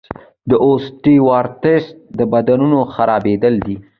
د اوسټیوارتریتس د بندونو خرابېدل دي.